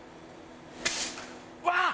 うわっ！